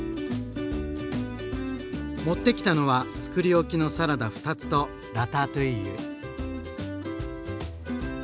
持ってきたのはつくり置きのサラダ２つとラタトゥイユ。